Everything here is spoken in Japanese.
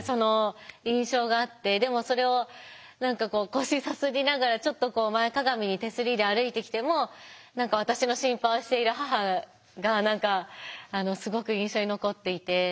でもそれを何か腰さすりながらちょっと前かがみに手すりで歩いてきても私の心配をしている母が何かすごく印象に残っていて。